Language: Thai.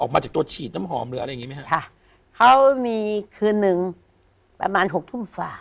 มาจากตัวฉีดน้ำหอมหรืออะไรอย่างงีไหมฮะค่ะเขามีคืนหนึ่งประมาณหกทุ่มฝ่า